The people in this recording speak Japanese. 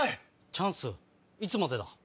チャンスいつまでだ？